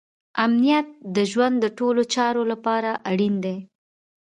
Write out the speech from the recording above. امنیت د ژوند د ټولو چارو لپاره اړین دی.